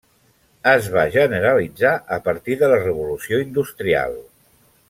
Es va generalitzar a partir de la revolució industrial.